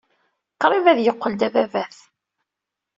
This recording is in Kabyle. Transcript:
Qrib ad yeqqel d ababat.